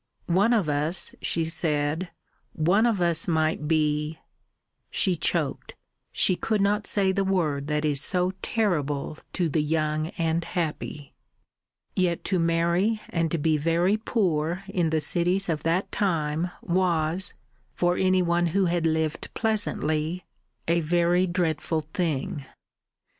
"One of us," she said, "one of us might be " She choked; she could not say the word that is so terrible to the young and happy. Yet to marry and be very poor in the cities of that time was for any one who had lived pleasantly a very dreadful thing.